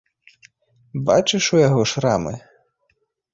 Бачыш у яго шрамы?